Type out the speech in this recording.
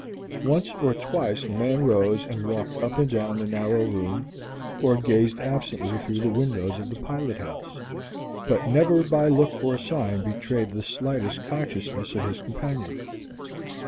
Once or twice the man rose and walked up and down the narrow room, or gazed absently from the windows of the pilot house, but never by look or sign betrayed the slightest consciousness of his companion.